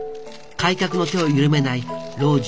改革の手を緩めない老